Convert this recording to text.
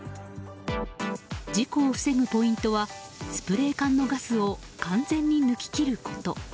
事故を防ぐポイントはスプレー缶のガスを完全に抜き切ること。